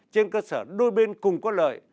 trên cơ sở đôi bên cùng có lợi